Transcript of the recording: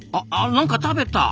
何か食べた！